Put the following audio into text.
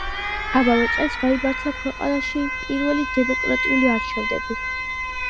ამავე წელს გაიმართა ქვეყანაში პირველი დემოკრატიული არჩევნები.